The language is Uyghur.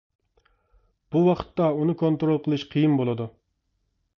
بۇ ۋاقىتتا ئۇنى كونترول قىلىش قېيىن بولىدۇ.